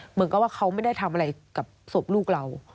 เหมือนกับว่าเขาไม่ได้ทำอะไรกับศพลูกเรา